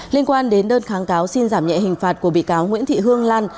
liên quan đến đơn kháng cáo xin giảm nhẹ hình phạt của bị cáo nguyễn thị hương lan